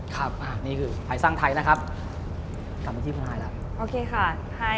อเจมส์ท่ายสร้างไทยนะครับกลับไปที่คุณหายละ